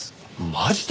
マジで？